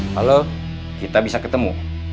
halo kita bisa ketemu